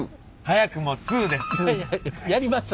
２。早くも２です。